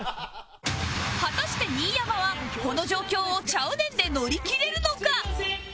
果たして新山はこの状況を「ちゃうねん」で乗り切れるのか